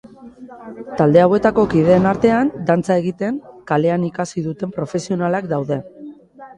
Talde hauetako kideen artean, dantza egiten kalean ikasi duten profesionalak daude.